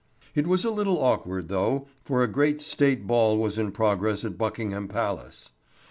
It was a little awkward, though, for a great State ball was in progress at Buckingham Palace.